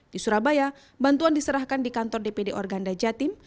di surabaya bantuan diserahkan di kantor dpd organda jatim